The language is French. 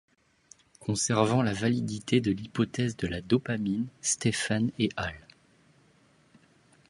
Conservant la validité de l'hypothèse de la dopamine, Stephens et al.